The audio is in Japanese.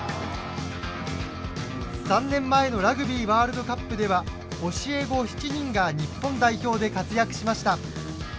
３年前のラグビーワールドカップでは教え子７人が日本代表で活躍しました。